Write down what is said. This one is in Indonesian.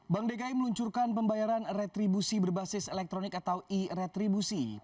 bank dki meluncurkan pembayaran retribusi berbasis elektronik atau e retribusi